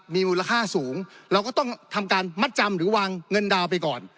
มีมูลค่าสูงเราก็ต้องทำการมัดจำหรือวางเงินดาวน์ไปก่อน